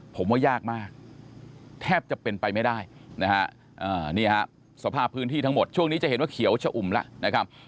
ผมว่ายากมากแทบจะเป็นไปไม่ได้นะฮะนี่ฮะสภาพพื้นที่ทั้งหมดช่วงนี้จะเห็นว่าเขียวชะอุ่มแล้วนะครับ